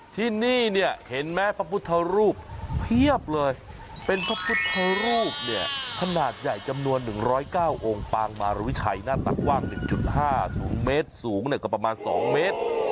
ที่นี่เนี่ยเห็นไหมพระพุทธรูปเพียบเลยเป็นพระพุทธรูปเนี่ยขนาดใหญ่จำนวน๑๐๙องค์ปางมารวิชัยหน้าตักกว้าง๑๕๐เมตรสูงก็ประมาณ๒เมตร